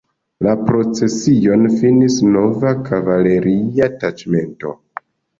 La procesion finis nova kavaleria taĉmento.